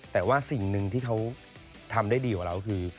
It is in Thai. แต่ว่าสิ่งหนึ่งที่เขาทำได้ดีกว่าเราคือ